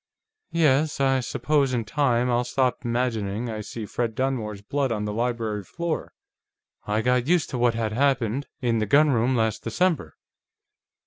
"Yes. I suppose, in time, I'll stop imagining I see Fred Dunmore's blood on the library floor. I got used to what had happened in the gunroom last December.